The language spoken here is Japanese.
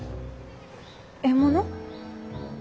獲物？